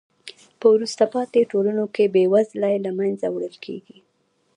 په وروسته پاتې ټولنو کې بې وزلۍ له منځه وړل کیږي.